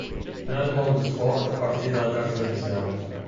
L'Helmond Sport partì dalla terza divisione.